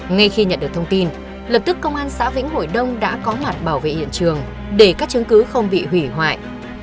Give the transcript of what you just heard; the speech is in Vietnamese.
ngay khi nhận được thông tin lập tức công an xã vĩnh hội đông đã có mặt bảo vệ hiện trường để các chứng cứ không bị hủy hoại